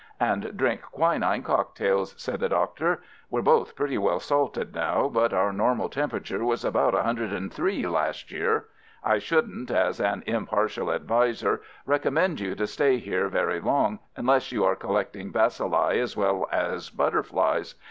"And drink quinine cocktails," said the Doctor. "We're both pretty well salted now, but our normal temperature was about 103 last year. I shouldn't, as an impartial adviser, recommend you to stay here very long unless you are collecting bacilli as well as butterflies.